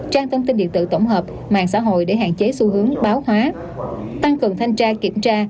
trang thông tin điện tử tổng hợp mạng xã hội để hạn chế xu hướng báo hóa tăng cường thanh tra kiểm tra